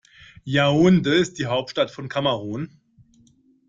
Yaoundé ist die Hauptstadt von Kamerun.